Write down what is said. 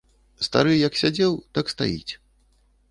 Стары як сядзеў, так стаіць.